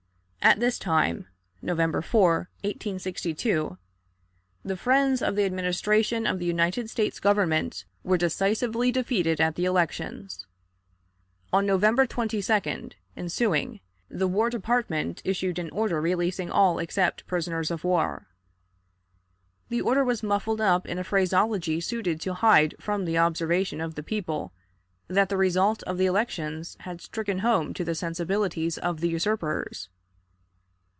At this time (November 4, 1862) the friends of the Administration of the United States Government were decisively defeated at the elections. On November 22d ensuing, the War Department issued an order releasing all except prisoners of war. The order was muffled up in a phraseology suited to hide from the observation of the people that the result of the elections had stricken home to the sensibilities of the usurpers.